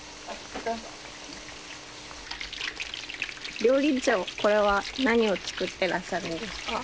料理長これは何を作ってらっしゃるんですか？